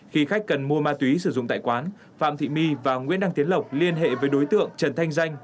khi khách cần mua ma túy sử dụng tại quán phạm thị my và nguyễn đăng tiến lộc liên hệ với đối tượng trần thanh danh